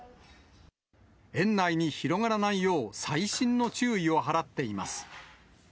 園内に広がらないよう、細心の注意を払っています。